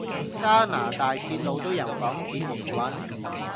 加拿大鐵路都由港鐵營運？